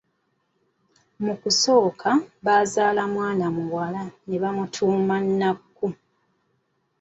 Mu kusooka bazaala omwana muwala ne bamutuuma Nakku.